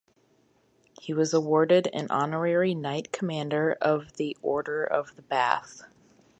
He was awarded an honorary Knight-Commander of the Order of the Bath.